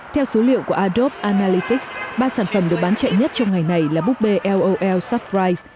theo số liệu của adobe analytics ba sản phẩm được bán chạy nhất trong ngày này là búp bê lol surprise